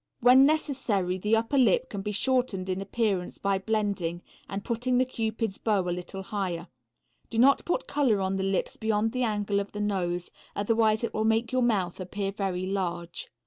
When necessary the upper lip can be shortened in appearance by blending and putting the cupid's bow a little higher. Do not put color on the lips beyond the angle of the nose, otherwise it will make your mouth appear very large.